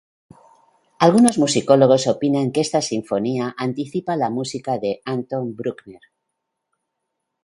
Algunos musicólogos opinan que esta sinfonía anticipa la música de Anton Bruckner.